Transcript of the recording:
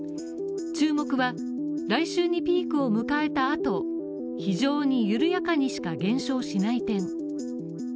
注目は来週にピークを迎えたあと、非常に緩やかにしか減少しない点。